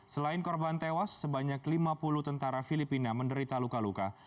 selain korban tewas sebanyak lima puluh tentara filipina menderita luka luka